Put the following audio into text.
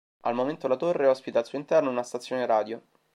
Al momento la torre ospita al suo interno una stazione radio.